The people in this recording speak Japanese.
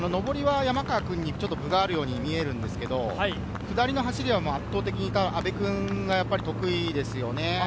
上りは山川君に分があるように見えるんですが下りは圧倒的に阿部君が得意ですね。